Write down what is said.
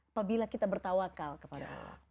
apabila kita bertawakal kepada allah